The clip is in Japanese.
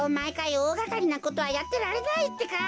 おおがかりなことはやってられないってか。